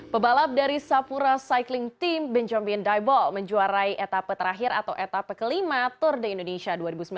pebalap dari sapura cycling team benjamin daibol menjuarai etapa terakhir atau etapa kelima tour de indonesia dua ribu sembilan belas